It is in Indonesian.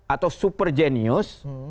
atau super genius